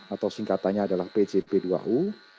atau singkatannya adalah pjp dua u